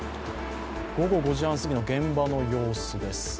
午後５時半すぎの現場の様子です。